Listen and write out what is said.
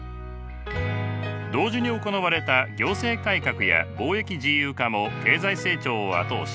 同時に行われた行政改革や貿易自由化も経済成長を後押し。